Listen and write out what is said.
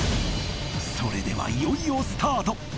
それではいよいよスタート。